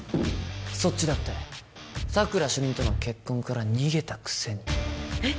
そっちだって佐久良主任との結婚から逃げたくせにえっ？